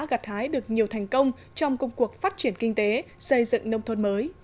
gặt hái được nhiều thành công trong công cuộc phát triển kinh tế xây dựng nông thôn mới